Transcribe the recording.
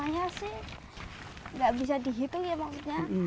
biasanya sih gak bisa dihitung ya maksudnya